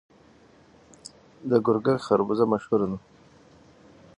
د ګرګک خربوزه مشهوره ده.